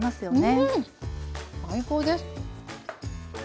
うん最高です！